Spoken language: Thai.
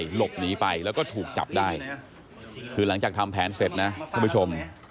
หลบหนีไปแล้วก็ถูกจับได้คือหลังจากทำแผนเสร็จนะท่านผู้ชม